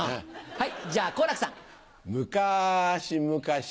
はい。